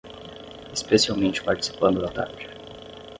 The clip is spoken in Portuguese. Especialmente participando da tarde